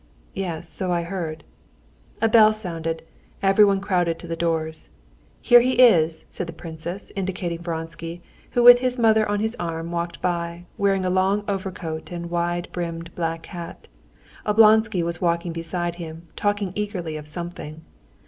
"Yes, so I heard." A bell sounded. Everyone crowded to the doors. "Here he is!" said the princess, indicating Vronsky, who with his mother on his arm walked by, wearing a long overcoat and wide brimmed black hat. Oblonsky was walking beside him, talking eagerly of something.